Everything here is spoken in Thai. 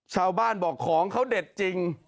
ชาวบ้านบอกของเขาเด็ดจริง